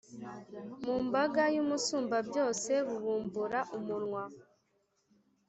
Mumbaga y’Umusumbabyose bubumbura umunwa,